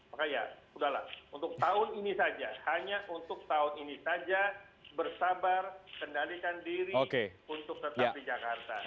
maka ya sudah lah untuk tahun ini saja hanya untuk tahun ini saja bersabar kendalikan diri untuk tetap di jakarta